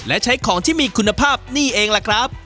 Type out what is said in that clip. และใช้ของที่มีคุณภาพนี่เองล่ะครับ